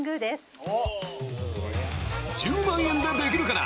「１０万円でできるかな」